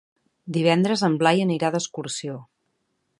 Divendres en Blai anirà d'excursió.